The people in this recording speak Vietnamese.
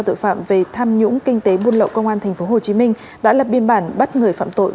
tội phạm về tham nhũng kinh tế buôn lậu công an tp hcm đã lập biên bản bắt người phạm tội